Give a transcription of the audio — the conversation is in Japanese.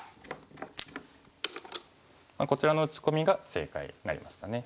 こちらの打ち込みが正解になりましたね。